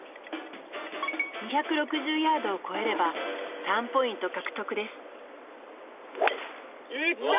２６０ヤードをこえれば３ポイント獲得ですいった！